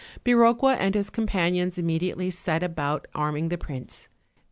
Biroqua and his companions immediately set about arming the prince.